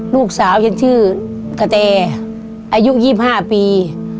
ลูกสาวฉันชื่อกะแตอายุ๒๕ปี